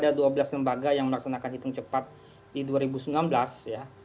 ada dua belas lembaga yang melaksanakan hitung cepat di dua ribu sembilan belas ya